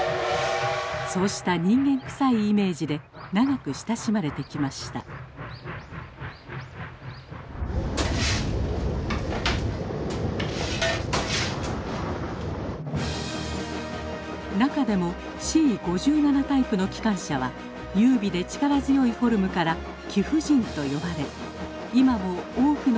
そうした人間くさいイメージで長く親しまれてきました中でもＣ５７タイプの機関車は優美で力強いフォルムから貴婦人と呼ばれ今も多くの人を魅了しています